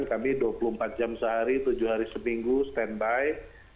kami dua puluh empat jam sehari tujuh hari seminggu standby